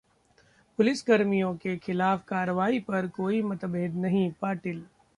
पुलिसकर्मियों के खिलाफ कार्रवाई पर कोई मतभेद नहीं: पाटिल